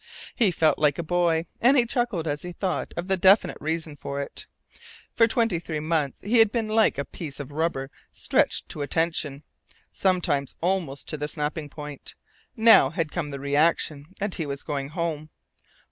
He felt like a boy, and he chuckled as he thought of the definite reason for it. For twenty three months he had been like a piece of rubber stretched to a tension sometimes almost to the snapping point. Now had come the reaction, and he was going HOME.